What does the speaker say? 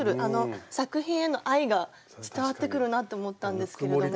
作品への愛が伝わってくるなって思ったんですけれども。